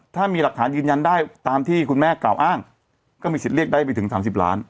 ถ้ามีหลักฐานยืนยันได้ตามที่คุณแม่กล่าวอ้างก็มีสิทธิ์เรียกได้ไปถึง๓๐ล้าน